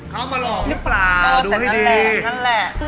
เข้ามาลองนึกปลาดูให้ดี